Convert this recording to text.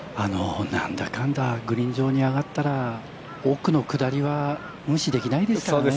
なんだかんだグリーン上に上がったら、奥の下りは無視できないですからね。